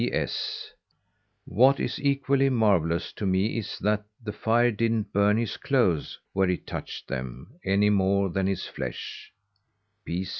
P. S. What is equally marvellous to me is that the fire didn't burn his clothes where it touched them, any more than his flesh.